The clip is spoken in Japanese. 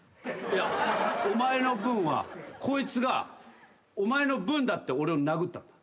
お前の分はこいつがお前の分だって俺を殴ったんだ。